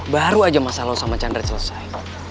baru aja masalah lo sama chandrat selesai